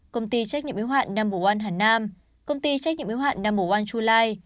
công ty trách nhiệm yếu hạn no một hà nam công ty trách nhiệm yếu hạn no một chu lai